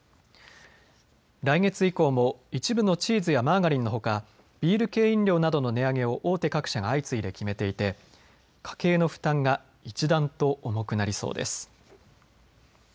来月以降も一部のチーズやマーガリンのほか、ビール系飲料などの値上げを大手各社が相次いで決めていて家計の負担が一段と重くなりそうです。